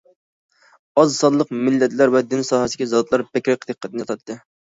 ئاز سانلىق مىللەتلەر ۋە دىن ساھەسىدىكى زاتلار بەكرەك دىققەتنى تارتتى.